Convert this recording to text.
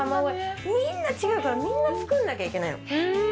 みんな違うから、みんな作んなきゃいけないの。